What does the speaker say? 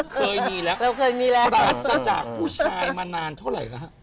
เคยมีแล้วเราเคยมีแล้วปราศจากผู้ชายมานานเท่าไหร่แล้วฮะ